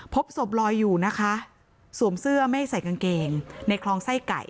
พบศพลอยอยู่นะคะสวมเสื้อไม่ใส่กางเกงในคลองไส้ไก่